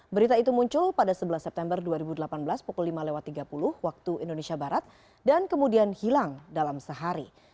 berita itu muncul pada sebelas september dua ribu delapan belas pukul lima tiga puluh waktu indonesia barat dan kemudian hilang dalam sehari